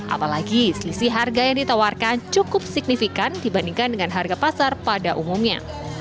apalagi selisih harga yang ditawarkan cukup signifikan dibandingkan dengan harga pasar pada umumnya